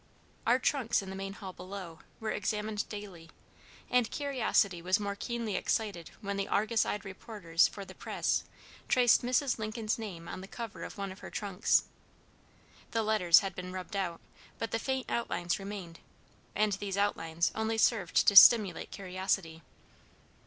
Our trunks in the main hall below were examined daily, and curiosity was more keenly excited when the argus eyed reporters for the press traced Mrs. Lincoln's name on the cover of one of her trunks. The letters had been rubbed out, but the faint outlines remained, and these outlines only served to stimulate curiosity.